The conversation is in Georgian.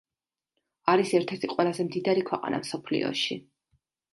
არის ერთ-ერთი ყველაზე მდიდარი ქვეყანა მსოფლიოში.